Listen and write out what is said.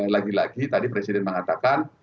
lagi lagi tadi presiden mengatakan